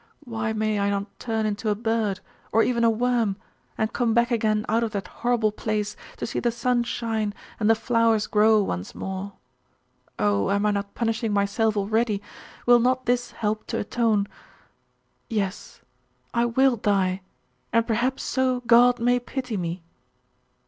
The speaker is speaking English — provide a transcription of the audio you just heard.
Why may I not turn into a bird, or even a worm, and come back again out of that horrible place, to see the sun shine, and the flowers grow once more? Oh, am I not punishing myself already? Will not this help to atone?.... Yes I will die! and perhaps so God may pity me!